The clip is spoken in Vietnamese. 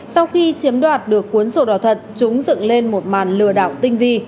sau khi chiếm đoạt được cuốn sổ đỏ thật chúng dựng lên một màn lừa đảo tinh vi